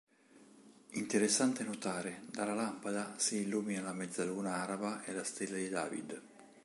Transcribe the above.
Interessante notare dalla lampada si illumina la mezzaluna araba e la stella di David.